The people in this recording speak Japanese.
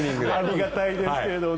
ありがたいですけどね。